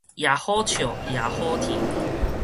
也好笑也好啼